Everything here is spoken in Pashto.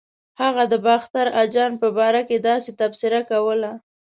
هغه د باختر اجان په باره کې داسې تبصره کوله.